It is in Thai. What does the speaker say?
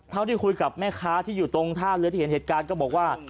ที่คุยกับแม่ค้าที่อยู่ตรงท่าเรือที่เห็นเหตุการณ์ก็บอกว่า